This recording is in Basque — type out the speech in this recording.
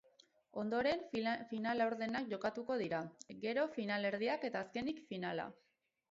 Ondoren, final-laurdenak jokatuko dira, gero finalerdiak eta azkenik finala.